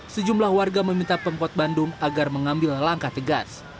sejumlah warga meminta pempot bandung agar mengambil langkah tegas